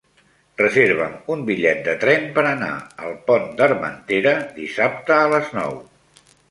Reserva'm un bitllet de tren per anar al Pont d'Armentera dissabte a les nou.